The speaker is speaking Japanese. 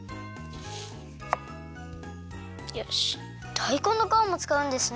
だいこんのかわもつかうんですね。